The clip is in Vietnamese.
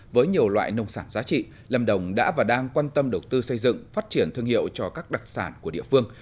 với nhiều loại nông sản giá trị lâm đồng đã và đang quan tâm đầu tư xây dựng phát triển thương hiệu cho các đặc sản của địa phương